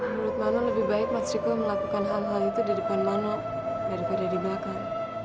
dan menurut mano lebih baik mas riko melakukan hal hal itu di depan mano daripada di belakang